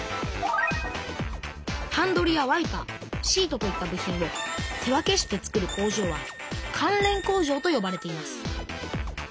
ハンドルやワイパーシートといった部品を手分けしてつくる工場は関連工場とよばれています。